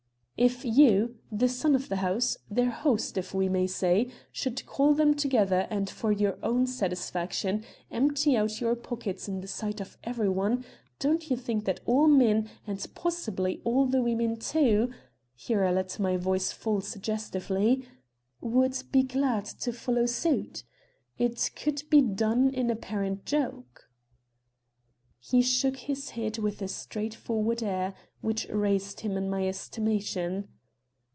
"If you, the son of the house, their host we may say, should call them together and, for your own satisfaction, empty out your pockets in the sight of every one, don't you think that all the men, and possibly all the women too " (here I let my voice fall suggestively) "would be glad to follow suit? It could be done in apparent joke." He shook his head with a straight forward air, which raised him high in my estimation.